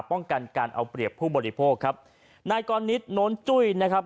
ป้องกันการเอาเปรียบผู้บริโภคครับนายกรนิดโน้นจุ้ยนะครับ